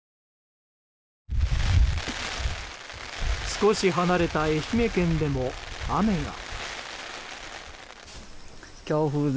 少し離れた愛媛県でも雨が。